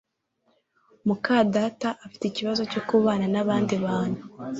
muka data afite ikibazo cyo kubana nabandi bantu